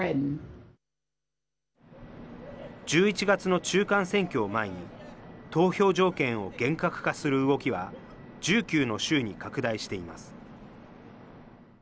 １１月の中間選挙を前に、投票条件を厳格化する動きは、１９の州に拡大しています。